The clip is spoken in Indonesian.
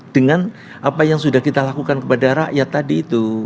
dengan apa yang sudah kita lakukan kepada rakyat tadi itu